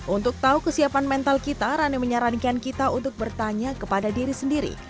untuk tahu kesiapan mental kita rane menyarankan kita untuk bertanya kepada diri sendiri